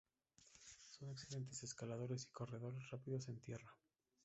Son excelentes escaladores y corredores rápidos en tierra.